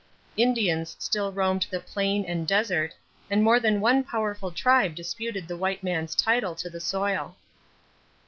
Indians still roamed the plain and desert and more than one powerful tribe disputed the white man's title to the soil.